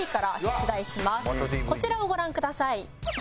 こちらをご覧ください。